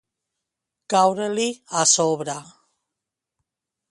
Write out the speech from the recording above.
Caure-li a sobre.